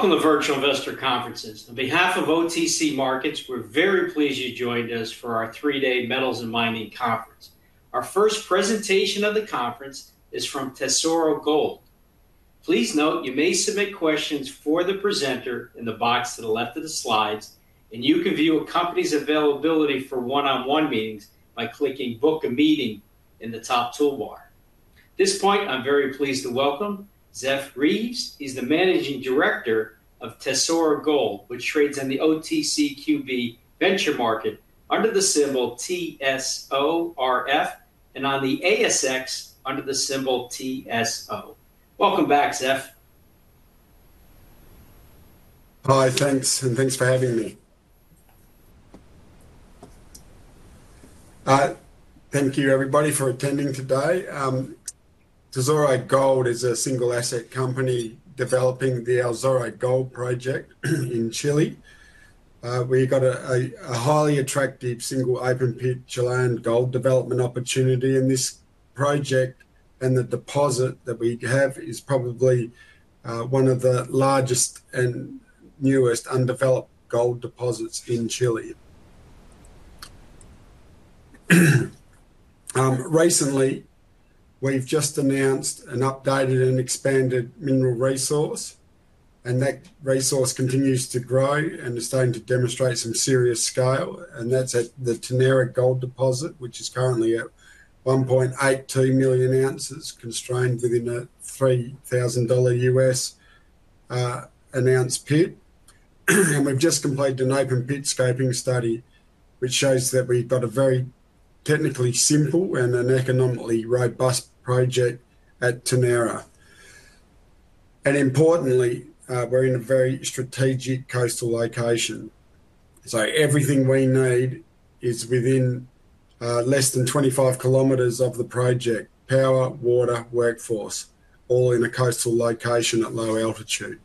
Welcome to Virtual Investor Conferences. On behalf of OTC Markets, we're very pleased you joined us for our three-day metals and mining conference. Our first presentation of the conference is from Tesoro Gold. Please note, you may submit questions for the presenter in the box to the left of the slides, and you can view a company's availability for one-on-one meetings by clicking "Book a Meeting" in the top toolbar. At this point, I'm very pleased to welcome Zeff Reeves. He's the Managing Director of Tesoro Gold, which trades in the OTCQB venture market under the symbol TESORF and on the ASX under the symbol TSO. Welcome back, Zeff. Hi, thanks, and thanks for having me. Thank you, everybody, for attending today. Tesoro Gold is a single-asset company developing the El Zorro Gold Project in Chile. We've got a highly attractive single open pit Chilean gold development opportunity in this project, and the deposit that we have is probably one of the largest and newest undeveloped gold deposits in Chile. Recently, we've just announced an updated and expanded mineral resource, and that resource continues to grow and is starting to demonstrate some serious scale. That's at the Tenere Gold deposit, which is currently at 1.82 million oz, constrained within a $3,000 U.S. an ounce pit. We've just completed an open pit scoping study, which shows that we've got a very technically simple and an economically robust project at Ternera. Importantly, we're in a very strategic coastal location. Everything we need is within less than 25 km of the project: power, water, workforce, all in a coastal location at low altitude.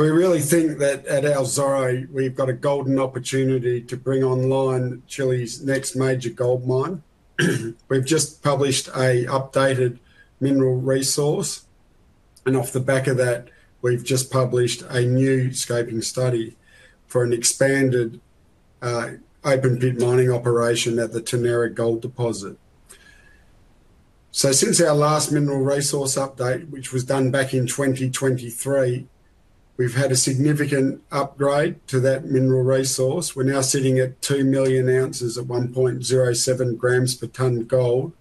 We really think that at El Zorro, we've got a golden opportunity to bring online Chile's next major gold mine. We've just published an updated mineral resource, and off the back of that, we've just published a new scoping study for an expanded open pit mining operation at the Ternera Gold deposit. Since our last mineral resource update, which was done back in 2023, we've had a significant upgrade to that mineral resource. We're now sitting at 2 million oz at 1.07 g per ton gold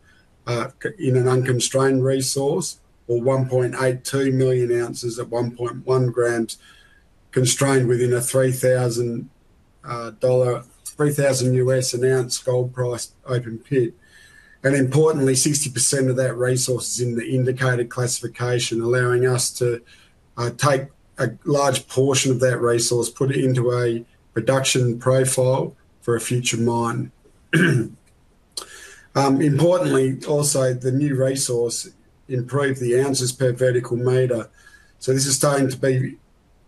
in an unconstrained resource, or 1.82 million oz at 1.1 g, constrained within a $3,000 U.S. an ounce gold-priced open pit. Importantly, 60% of that resource is in the indicated classification, allowing us to take a large portion of that resource, put it into a production profile for a future mine. Importantly, also, the new resource improved the ounces per vertical meter. This is starting to be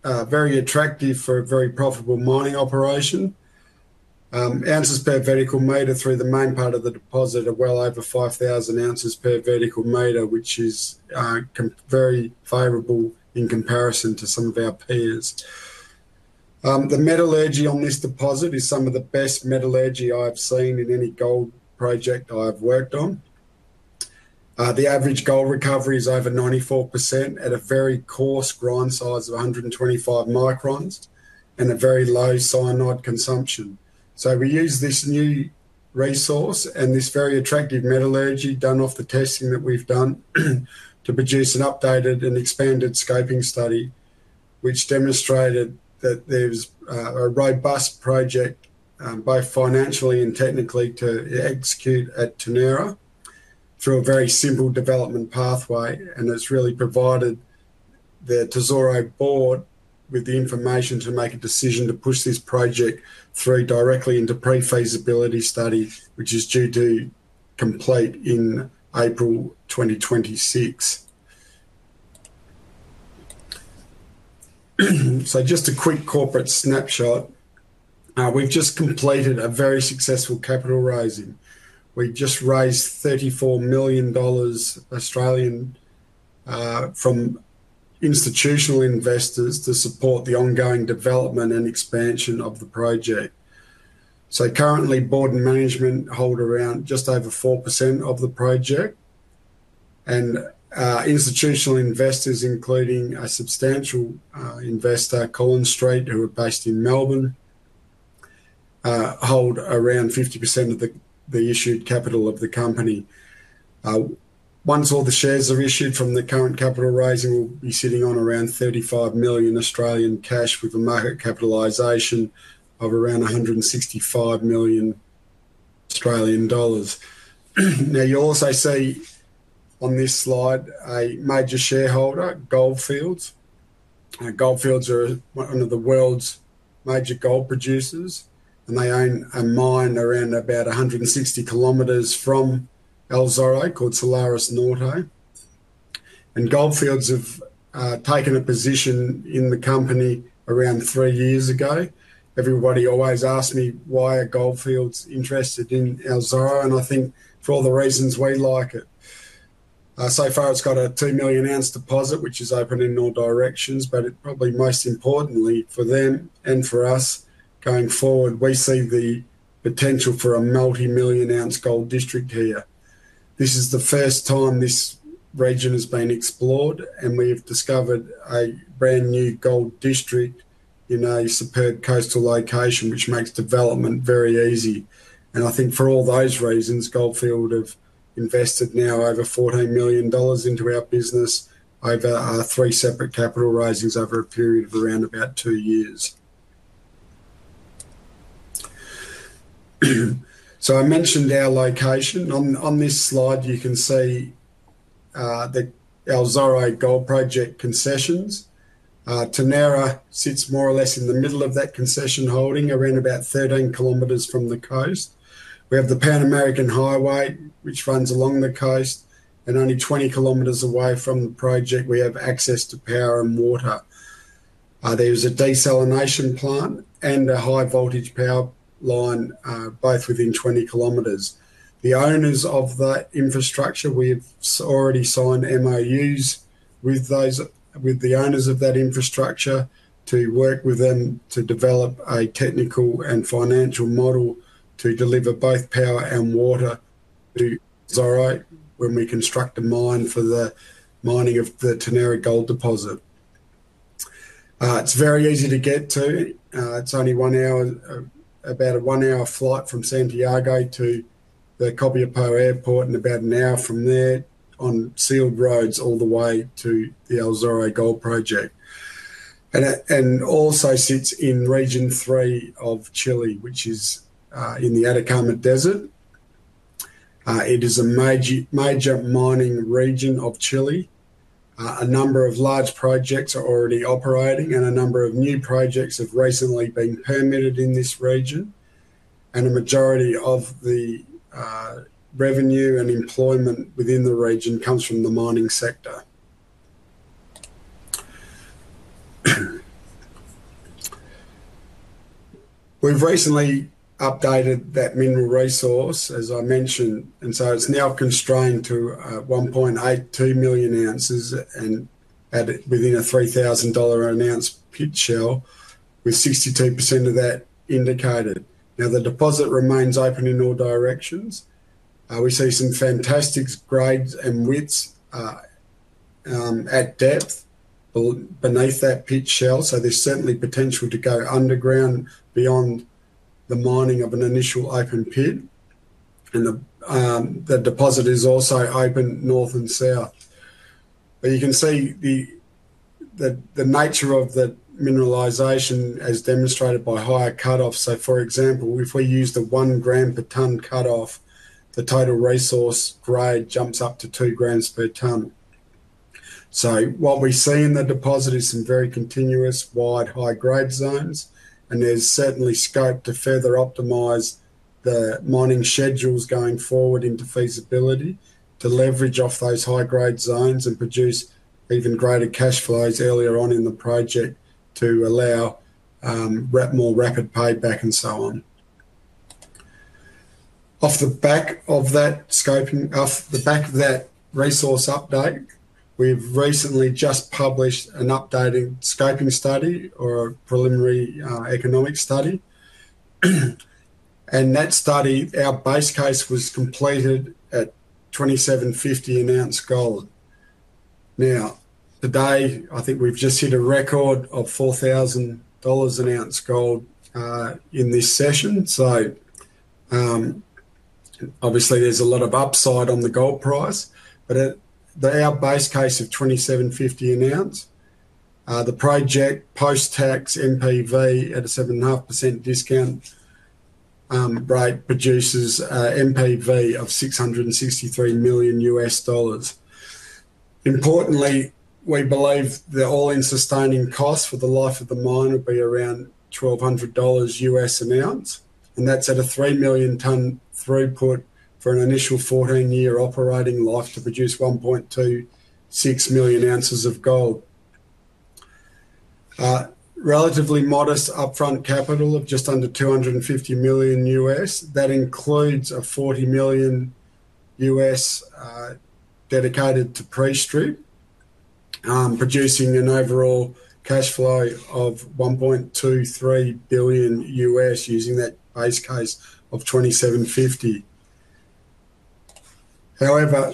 very attractive for a very profitable mining operation. Ounces per vertical meter through the main part of the deposit are well over 5,000 oz per vertical meter, which is very favorable in comparison to some of our peers. The metallurgy on this deposit is some of the best metallurgy I've seen in any gold project I've worked on. The average gold recovery is over 94% at a very coarse grind size of 125 microns and a very low cyanide consumption. We use this new resource and this very attractive metallurgy done off the testing that we've done to produce an updated and expanded scoping study, which demonstrated that there's a robust project both financially and technically to execute at Ternera through a very simple development pathway. It's really provided the Tesoro board with the information to make a decision to push this project through directly into pre-feasibility study, which is due to complete in April 2026. Just a quick corporate snapshot. We've just completed a very successful capital raising. We just raised 34 million dollars Australian from institutional investors to support the ongoing development and expansion of the project. Currently, board and management hold around just over 4% of the project. Institutional investors, including a substantial investor, Collins St, who are based in Melbourne, hold around 50% of the issued capital of the company. Once all the shares are issued from the current capital raising, we'll be sitting on around 35 million Australian cash with a market capitalization of around 165 million Australian dollars. You also see on this slide a major shareholder, Gold Fields. Gold Fields are one of the world's major gold producers, and they own a mine around about 160 km from El Zorro called Salares Norte. Gold Fields have taken a position in the company around three years ago. Everybody always asks me why are Gold Fields interested in El Zorro, and I think for all the reasons we like it. It's got a 2 million oz deposit, which is open in all directions, but it's probably most importantly for them and for us going forward, we see the potential for a multi-million ounce gold district here. This is the first time this region has been explored, and we've discovered a brand new gold district in a superb coastal location, which makes development very easy. I think for all those reasons, Gold Fields have invested now over 14 million dollars into our business over our three separate capital raisings over a period of around about two years. I mentioned our location. On this slide, you can see the El Zorro Gold Project concessions. Ternera sits more or less in the middle of that concession holding, around about 13 km from the coast. We have the Pan American Highway, which runs along the coast, and only 20 km away from the project, we have access to power and water. There's a desalination plant and a high-voltage power line both within 20 km. The owners of that infrastructure, we've already signed MOUs with those, with the owners of that infrastructure to work with them to develop a technical and financial model to deliver both power and water to El Zorro when we construct a mine for the mining of the Ternera Gold deposit. It's very easy to get to. It's only about a one-hour flight from Santiago to the Copiapó Airport and about an hour from there on sealed roads all the way to the El Zorro Gold Project. It also sits in Region III of Chile, which is in the Atacama Desert. It is a major mining region of Chile. A number of large projects are already operating, and a number of new projects have recently been permitted in this region. A majority of the revenue and employment within the region comes from the mining sector. We've recently updated that mineral resource, as I mentioned, and so it's now constrained to 1.82 million oz and added within a 3,000 dollar an ounce pit shell with 62% of that indicated. Now the deposit remains open in all directions. We see some fantastic grades and widths at depth beneath that pit shell, so there's certainly potential to go underground beyond the mining of an initial open pit. The deposit is also open north and south. You can see the nature of the mineralization as demonstrated by higher cutoffs. For example, if we use the one gram per ton cutoff, the total resource grade jumps up to two grams per ton. What we see in the deposit is some very continuous, wide, high-grade zones, and there's certainly scope to further optimize the mining schedules going forward into feasibility to leverage off those high-grade zones and produce even greater cash flows earlier on in the project to allow more rapid payback and so on. Off the back of that resource update, we've recently just published an updated scoping study or a preliminary economic study. That study, our base case was completed at 2,750 an ounce gold. Now, today, I think we've just hit a record of 4,000 dollars an ounce gold in this session. Obviously, there's a lot of upside on the gold price, but our base case of 2,750 an ounce, the project post-tax NPV at a 7.5% discount rate produces an NPV of $663 million US dollars. Importantly, we believe the all-in sustaining cost for the life of the mine will be around $1,200 U.S. an ounce, and that's at a 3 million-ton throughput for an initial 14-year operating life to produce 1.26 million oz of gold. Relatively modest upfront capital of just under $250 million U.S. That includes $40 million U.S. dedicated to pre-stream, producing an overall cash flow of $1.23 billion U.S. using that base case of 2,750. However,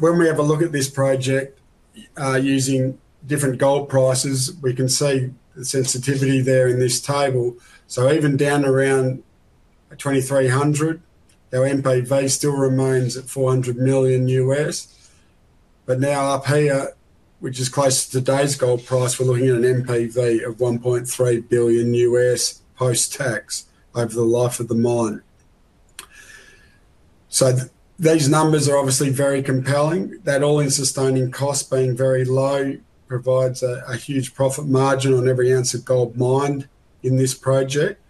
when we have a look at this project using different gold prices, we can see the sensitivity there in this table. Even down around 2,300, our NPV still remains at $400 million U.S. Now up here, which is close to today's gold price, we're looking at an NPV of $1.3 billion U.S. post-tax over the life of the mine. These numbers are obviously very compelling. That all-in sustaining cost being very low provides a huge profit margin on every ounce of gold mined in this project.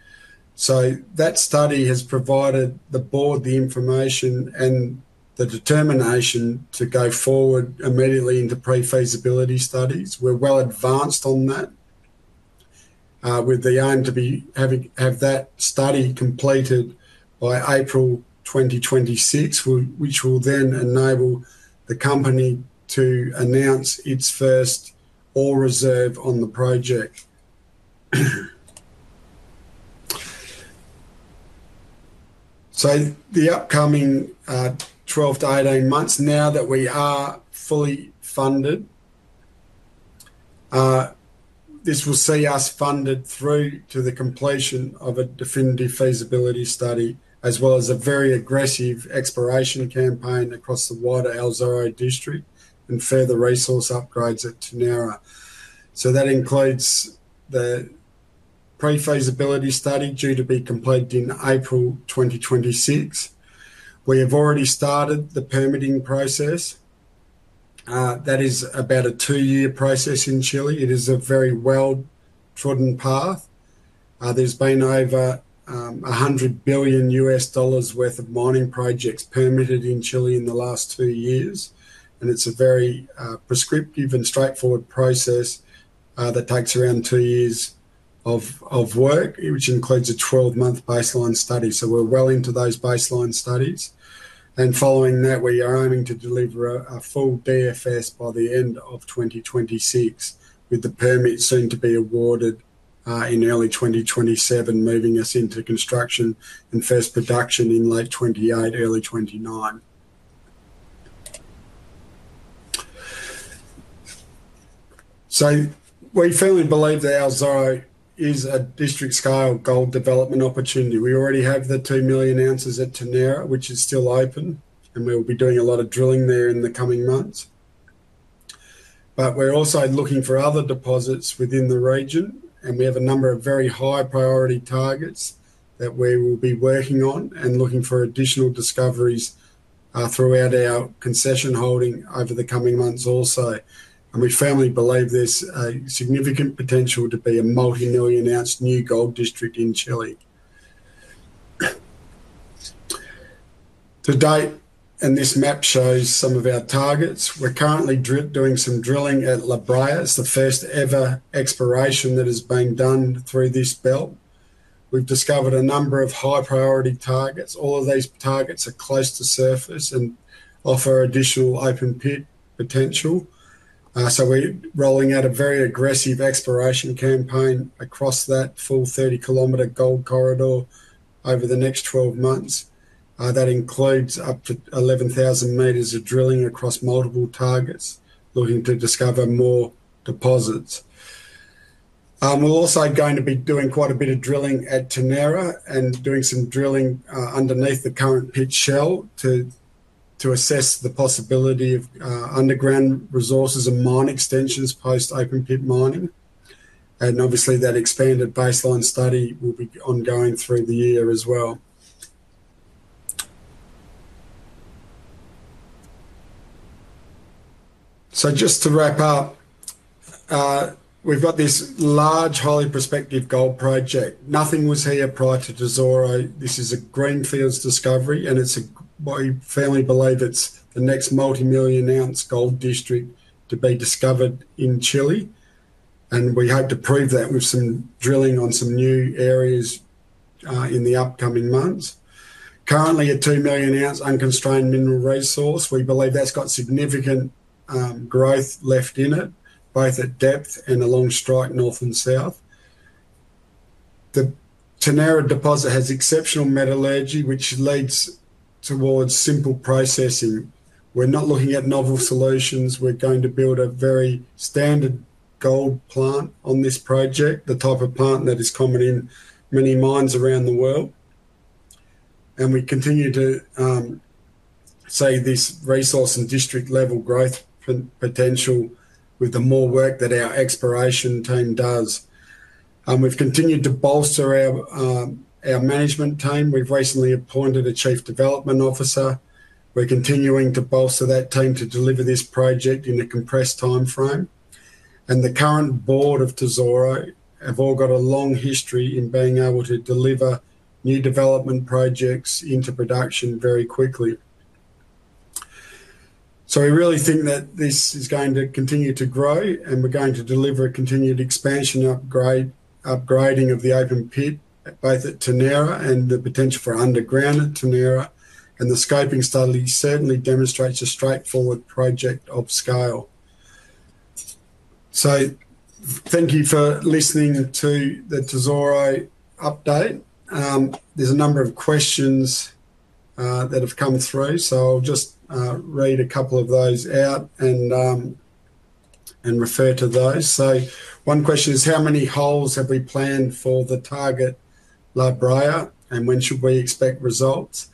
That study has provided the board the information and the determination to go forward immediately into pre-feasibility studies. We're well advanced on that with the aim to have that study completed by April 2026, which will then enable the company to announce its first ore reserve on the project. The upcoming 12-18 months, now that we are fully funded, this will see us funded through to the completion of a definitive feasibility study, as well as a very aggressive exploration campaign across the wider El Zorro district and further resource upgrades at Ternera. That includes the pre-feasibility study due to be completed in April 2026. We have already started the permitting process. That is about a two-year process in Chile. It is a very well-trodden path. There has been over $100 billion U.S. dollars worth of mining projects permitted in Chile in the last two years. It is a very prescriptive and straightforward process that takes around two years of work, which includes a 12-month baseline study. We're well into those baseline studies. Following that, we are aiming to deliver a full BFS by the end of 2026, with the permit soon to be awarded in early 2027, moving us into construction and first production in late 2028, early 2029. We firmly believe that El Zorro is a district-scale gold development opportunity. We already have the 2 million oz at Ternera, which is still open, and we'll be doing a lot of drilling there in the coming months. We're also looking for other deposits within the region, and we have a number of very high-priority targets that we will be working on and looking for additional discoveries throughout our concession holding over the coming months. We firmly believe there's significant potential to be a multi-million ounce new gold district in Chile. To date, and this map shows some of our targets, we're currently doing some drilling at La Brea. It's the first ever exploration that has been done through this belt. We've discovered a number of high-priority targets. All of these targets are close to surface and offer additional open pit potential. We're rolling out a very aggressive exploration campaign across that full 30 km gold corridor over the next 12 months. That includes up to 11,000 m of drilling across multiple targets, looking to discover more deposits. We're also going to be doing quite a bit of drilling at Ternera and doing some drilling underneath the current pit shell to assess the possibility of underground resources and mine extensions post-open pit mining. Obviously, that expanded baseline study will be ongoing through the year as well. Just to wrap up, we've got this large, highly prospective gold project. Nothing was here prior to Tesoro. This is a greenfields discovery, and we firmly believe it's the next multi-million ounce gold district to be discovered in Chile. We hope to prove that with some drilling on some new areas in the upcoming months. Currently, a 2 million oz unconstrained mineral resource, we believe that's got significant growth left in it, both at depth and along strike north and south. The Ternera deposit has exceptional metallurgy, which leads towards simple processing. We're not looking at novel solutions. We're going to build a very standard gold plant on this project, the type of plant that is common in many mines around the world. We continue to see this resource and district-level growth potential with the more work that our exploration team does. We've continued to bolster our management team. We've recently appointed a Chief Development Officer. We're continuing to bolster that team to deliver this project in a compressed timeframe. The current board of Tesoro have all got a long history in being able to deliver new development projects into production very quickly. We really think that this is going to continue to grow, and we're going to deliver a continued expansion and upgrading of the open pit both at Ternera and the potential for underground at Ternera. The scoping study certainly demonstrates a straightforward project of scale. Thank you for listening to the Tesoro update. There's a number of questions that have come through, so I'll just read a couple of those out and refer to those. One question is, how many holes have we planned for the target La Brea, and when should we expect results?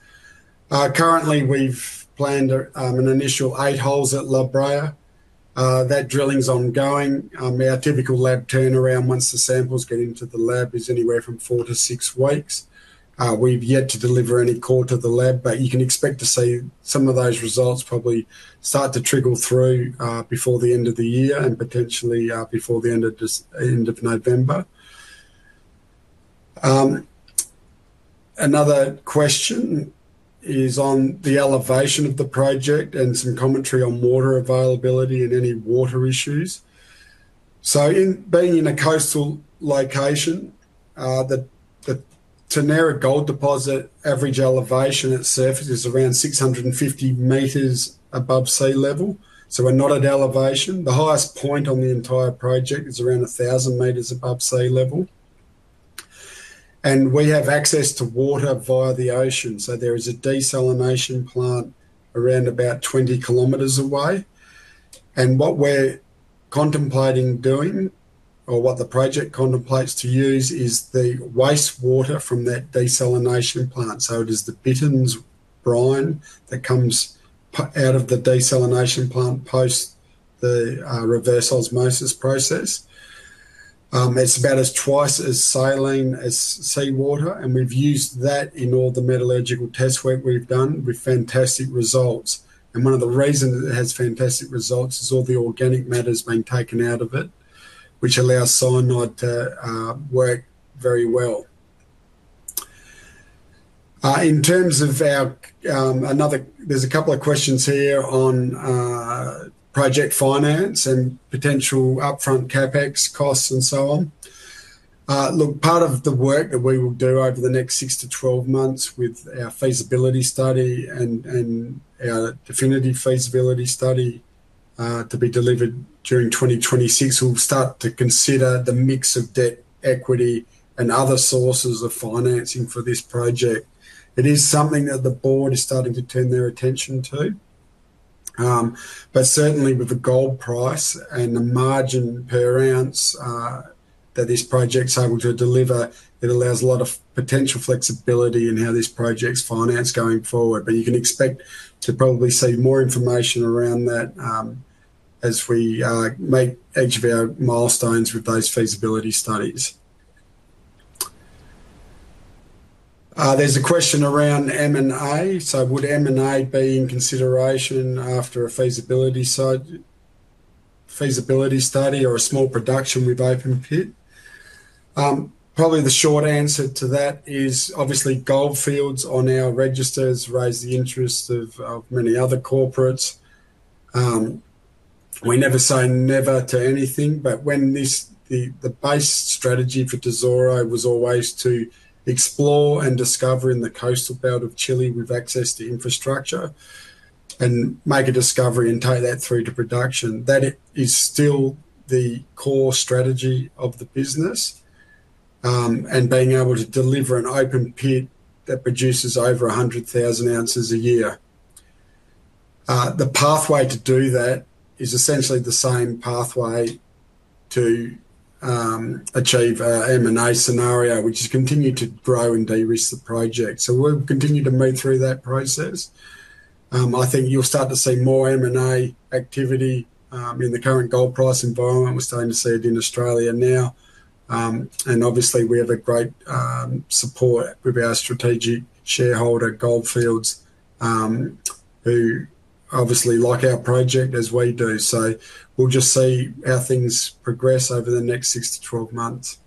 Currently, we've planned an initial eight holes at La Brea. That drilling is ongoing. Our typical lab turnaround once the samples get into the lab is anywhere from four to six weeks. We've yet to deliver any core to the lab, but you can expect to see some of those results probably start to trickle through before the end of the year and potentially before the end of November. Another question is on the elevation of the project and some commentary on water availability and any water issues. In being in a coastal location, the Ternera Gold deposit average elevation at surface is around 650 m above sea level. We're not at elevation. The highest point on the entire project is around 1,000 m above sea level. We have access to water via the ocean. There is a desalination plant around about 20 km away. What we're contemplating doing, or what the project contemplates to use, is the wastewater from that desalination plant. It is the bittern's brine that comes out of the desalination plant post the reverse osmosis process. It's about twice as saline as seawater, and we've used that in all the metallurgical tests we've done with fantastic results. One of the reasons it has fantastic results is all the organic matter's being taken out of it, which allows cyanide to work very well. There are a couple of questions here on project finance and potential upfront CapEx costs and so on. Part of the work that we will do over the next 6-12 months with our feasibility study and our definitive feasibility study to be delivered during 2026, we'll start to consider the mix of debt, equity, and other sources of financing for this project. It is something that the board is starting to turn their attention to. Certainly, with the gold price and the margin per ounce that this project's able to deliver, it allows a lot of potential flexibility in how this project's financed going forward. You can expect to probably see more information around that as we make each of our milestones with those feasibility studies. There's a question around M&A. Would M&A be in consideration after a feasibility study or a small production with open pit? Probably the short answer to that is obviously Gold Fields on our register has raised the interests of many other corporates. We never say never to anything. The base strategy for Tesoro Gold Ltd was always to explore and discover in the coastal belt of Chile with access to infrastructure and make a discovery and take that through to production. That is still the core strategy of the business. Being able to deliver an open pit that produces over 100,000 oz a year, the pathway to do that is essentially the same pathway to achieve our M&A scenario, which is continue to grow and de-risk the project. We'll continue to move through that process. I think you'll start to see more M&A activity in the current gold price environment. We're starting to see it in Australia now. We have great support with our strategic shareholder, Gold Fields, who obviously like our project as we do. We'll just see how things progress over the next 6-12 months.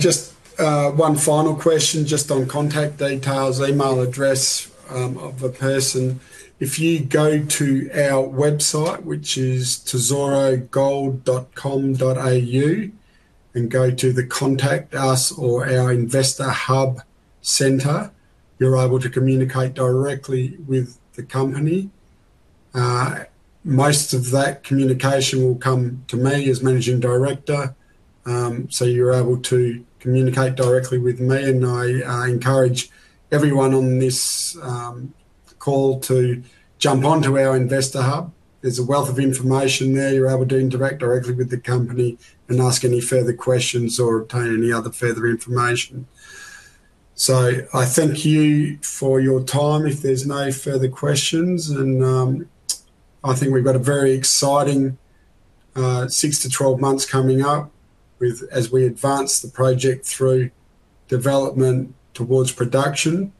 Just one final question, just on contact details, email address of a person. If you go to our website, which is tesorogold.com.au, and go to the Contact Us or our Investor Hub Center, you're able to communicate directly with the company. Most of that communication will come to me as Managing Director. You're able to communicate directly with me, and I encourage everyone on this call to jump onto our Investor Hub. There's a wealth of information there. You're able to interact directly with the company and ask any further questions or obtain any other further information. I thank you for your time. If there's no further questions, I think we've got a very exciting 6-12 months coming up as we advance the project through development towards production.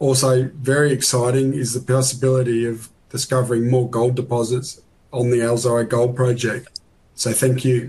Also very exciting is the possibility of discovering more gold deposits on the El Zorro Gold Project. Thank you.